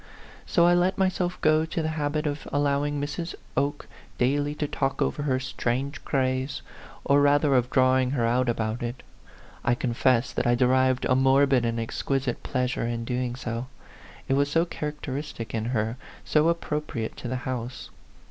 So I let myself go to the habit of allowing Mrs. Oke daily to talk over her strange craze, or rather of drawing her out about it. I confess that I derived a morbid and exquisite pleasure in doing so : it was so characteristic in her, so appropriate to the house